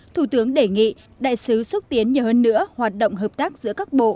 thủ tướng đề nghị đại sứ xúc tiến nhiều hơn nữa hoạt động hợp tác giữa các bộ